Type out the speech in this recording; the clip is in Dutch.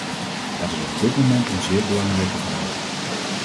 Dat is op dit moment een zeer belangrijke vraag.